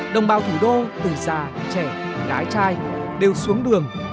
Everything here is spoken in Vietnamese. đồng bào thủ đô từ già trẻ gái trai đều xuống đường